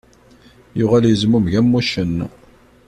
Yuɣal yezmumeg am wuccen.